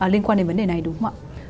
liên quan đến vấn đề này đúng không ạ